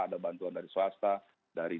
ada bantuan dari swasta dari